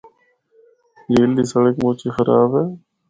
جھیل دی سڑک مُچ ہی خراب اے۔